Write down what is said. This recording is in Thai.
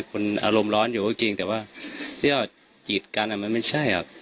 คนอารมณ์ร้อนอยู่กันจริงแต่ว่าที่ว่าจีดกันอ่ะมันไม่ใช่อ่ะ